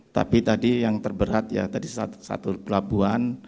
tapi tadi yang terberat ya tadi satu pelabuhan